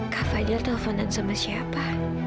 kak fadil telponan sama siapa